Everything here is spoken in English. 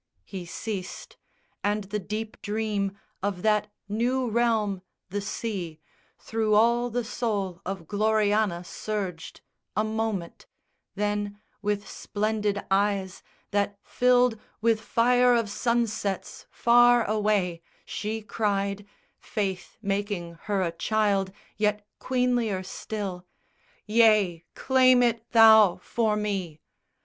He ceased; And the deep dream of that new realm the sea, Through all the soul of Gloriana surged, A moment, then with splendid eyes that filled With fire of sunsets far away, she cried (Faith making her a child, yet queenlier still) "Yea, claim it thou for me!"